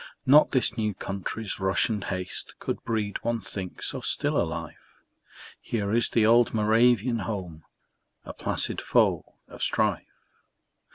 Not this new country's rush and haste Could breed, one thinks, so still a life; Here is the old Moravian home, A placid foe of strife.